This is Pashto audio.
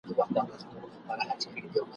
ازل یوازي زما قلم ته دی ستا نوم ښودلی !.